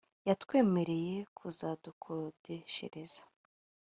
yatwemereye kuzadukodeshereza